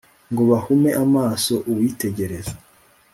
ngo bahume amaso uwitegereza